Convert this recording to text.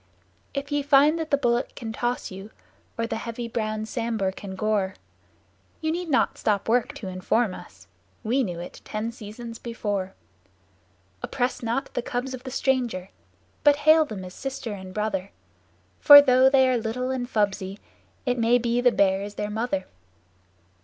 If ye find that the Bullock can toss you, or the heavy browed Sambhur can gore; Ye need not stop work to inform us: we knew it ten seasons before. Oppress not the cubs of the stranger, but hail them as Sister and Brother, For though they are little and fubsy, it may be the Bear is their mother.